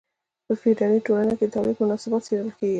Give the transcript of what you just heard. په فیوډالي ټولنه کې د تولید مناسبات څیړل کیږي.